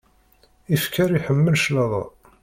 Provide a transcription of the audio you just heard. Ifker iḥemmel claḍa.